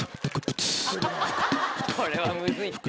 これはムズいって。